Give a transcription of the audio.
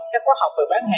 các khoa học về bán hàng